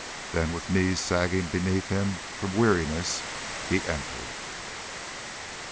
Then, with knees sagging beneath him from weariness, he entered.